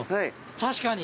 確かに。